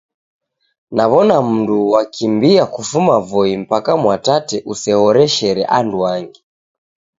Nawona mundu wakimbia kufuma voi mpaka Mwatate usehoreshere anduangi